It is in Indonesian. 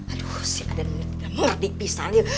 aduh si aden ini tidak mau dipisahin